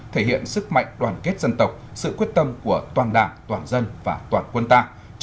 thể hiện sức mạnh đoàn kết dân tộc sự quyết tâm của toàn đảng toàn dân và toàn quân ta